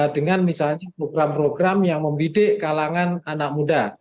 dengan misalnya program program yang membidik kalangan anak muda